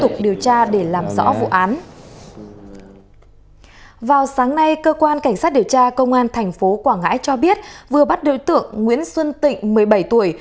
các điều tra công an thành phố quảng ngãi cho biết vừa bắt đối tượng nguyễn xuân tịnh một mươi bảy tuổi